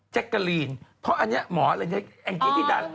แจ๊กกาลีนเพราะอันนี้หมอเหกไง